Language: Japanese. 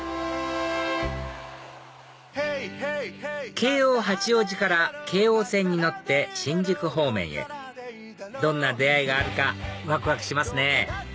京王八王子から京王線に乗って新宿方面へどんな出会いがあるかわくわくしますね